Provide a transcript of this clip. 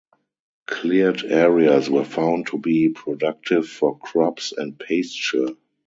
Cleared areas were found to be productive for crops and pasture.